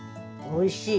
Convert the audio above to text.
おいしい。